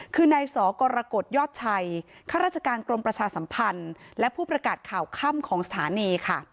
คือนายสอกรกฎยอดชัยข้าราชการกรมประชาสัมพันธ์และผู้ประกาศข่าวค่ำของสถานีค่ะ